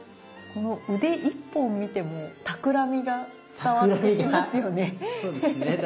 この腕一本見てもたくらみが伝わってきますよね。